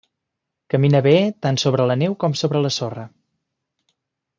Camina bé tant sobre la neu com sobre la sorra.